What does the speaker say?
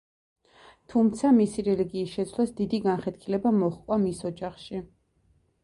თუმცა, მისი რელიგიის შეცვლას დიდი განხეთქილება მოჰყვა მის ოჯახში.